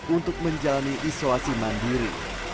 untuk menjalani isolasi mandiri